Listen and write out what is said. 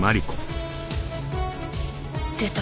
出た。